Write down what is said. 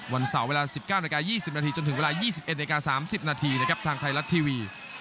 วันเสาเวลา๑๙๒๐นจนถึง๒๑๓๐นทางไทยรัฐทีวี